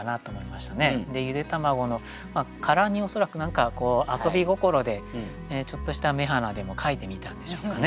ゆで玉子の殻に恐らく何か遊び心でちょっとした目鼻でも描いてみたんでしょうかね。